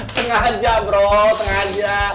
sengaja bro sengaja